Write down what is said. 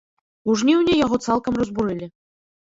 У жніўні яго цалкам разбурылі.